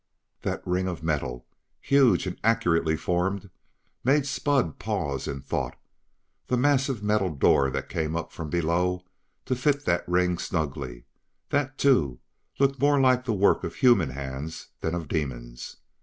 That ring of metal, huge and accurately formed, made Spud pause in thought; the massive metal door that came up from below to fit that ring snugly that, too, looked more like the work of human hands than of demons.